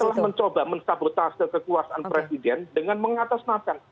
yang telah mencoba mensabotase kekuasaan presiden dengan mengatas masakan